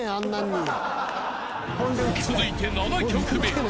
［続いて７曲目］